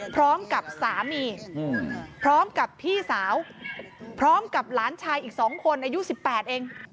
พร้อมกับสามีพร้อมกับพี่สาวพร้อมกับหลานชายอีก๒คนอายุ๑๘เอง